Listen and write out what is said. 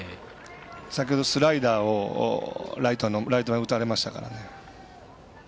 先ほどスライダーをライト前に打たれましたからね。